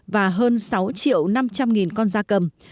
và hơn sáu năm trăm linh con ra cầm